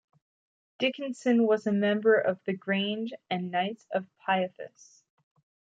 Dickinson was a member of the Grange and Knights of Pythias.